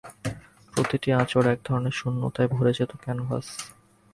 প্রতিটি আঁচড়ে একধরনের শূন্যতায় ভরে যেত ক্যানভাস।